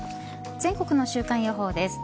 全国の週間予報です。